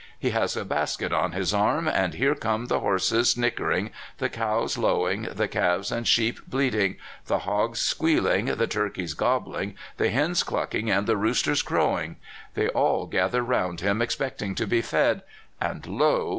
He has a basket on his arm, and here come the horses nickering, the cows lowing, the calves and sheep bleating, the hogs squealing, the turkeys gobbling, the hens clucking, and the roosters crow ing. They all gather round him, expecting to be fed, and lo